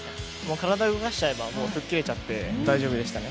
体動かしちゃえばふっきれちゃって大丈夫でしたね。